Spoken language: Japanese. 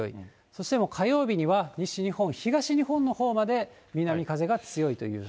そしてもう火曜日には西日本、東日本のほうまで南風が強いという。